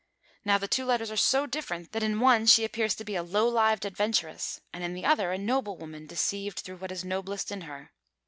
Now the two letters are so different that in one she appears to be a low lived adventuress, and in the other a noble woman, deceived through what is noblest in her.